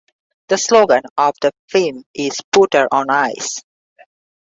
The slogan of the film is Putter on Ice.